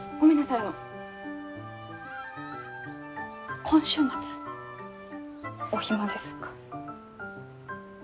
あの今週末お暇ですか？